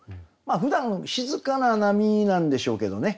ふだん静かな波なんでしょうけどね。